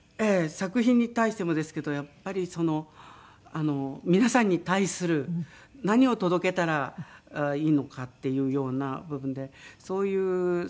作品に対してもですけどやっぱりその皆さんに対する何を届けたらいいのかっていうような部分でそういう精神的な。